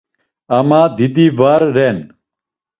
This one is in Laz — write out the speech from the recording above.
Ama, didi var ren.